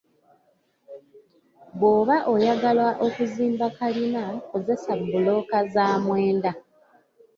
Bwoba oyagala okuzimba kkalina kozesa bbulooka za mwenda.